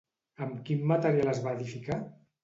Amb quin material es va edificar?